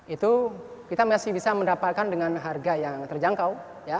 itu kita masih bisa mendapatkan dengan harga yang terjangkau